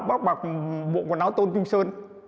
bác bọc bộ quần áo tôn trung sơn